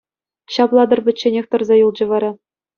Ҫапла тӑр пӗчченех тӑрса юлчӗ вара.